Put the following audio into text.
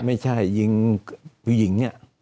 ไม่ใช่ยิงผู้หญิงเนี่ย